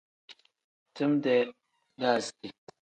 Time-dee daaziti.